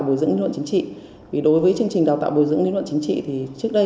bồi dưỡng lý luận chính trị vì đối với chương trình đào tạo bồi dưỡng lý luận chính trị thì trước đây